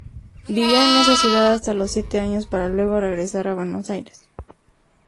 Vivió en esa ciudad hasta los siete años para luego regresar a Buenos Aires.